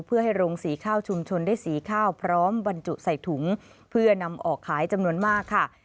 เพื่อให้โรงสีข้าวชุมชนได้สีข้าวพร้อมบรรจุใส่ถุงเพื่อนำออกขายจำนวนมากค่ะ